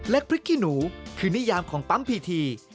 พริกขี้หนูคือนิยามของปั๊มพีที